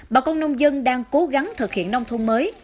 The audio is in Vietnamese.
bà con nông dân đang cố gắng thực hiện nông thôn mới